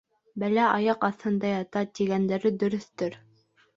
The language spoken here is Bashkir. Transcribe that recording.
«Бәлә аяҡ аҫтында ята» тигәндәре дөрөҫтөр.